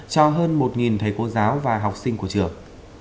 cho hơn một thầy cô giáo và học sinh của trường